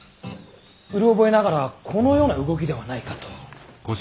うろ覚えながらこのような動きではないかと。